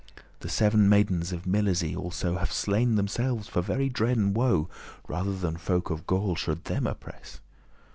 The seven maidens of Milesie also Have slain themselves for very dread and woe, Rather than folk of Gaul them should oppress.